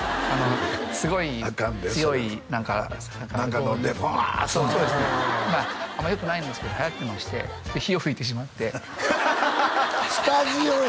すごい強いアカンでそれは何か飲んでファーってそうですねあんまよくないんですけどはやってましてで火をふいてしまってスタジオや！